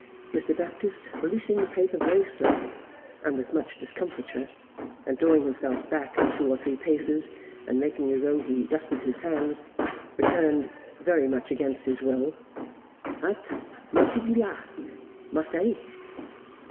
Mr Baptist, releasing the paper very slowly and with much discomfiture, and drawing himself back two or three paces, and making as though he dusted his hands, returned, very much against his will: 'At Marsiglia Marseilles.